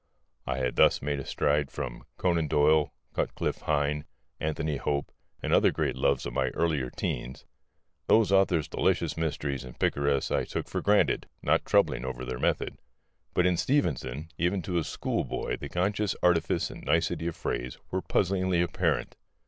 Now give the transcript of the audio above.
I had thus made a stride from Conan Doyle, Cutcliffe Hyne, Anthony Hope, and other great loves of my earliest teens; those authors' delicious mysteries and picaresques I took for granted, not troubling over their method; but in Stevenson, even to a schoolboy the conscious artifice and nicety of phrase were puzzingly apparent.